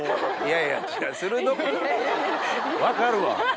分かるわ。